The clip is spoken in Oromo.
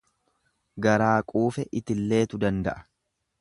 Garaa quufe itilleetu danda'a.